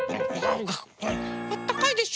あったかいでしょ？